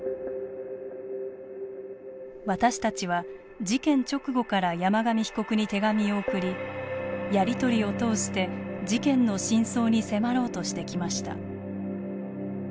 私たちは事件直後から山上被告に手紙を送りやり取りを通して事件の真相に迫ろうとしてきました。